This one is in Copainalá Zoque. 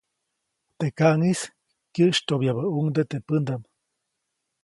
Teʼ kaʼŋis kyäʼsytyoʼbyabäʼuŋ teʼ pädaʼm.